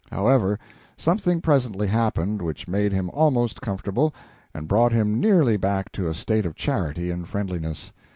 However, something presently happened which made him almost comfortable, and brought him nearly back to a state of charity and friendliness.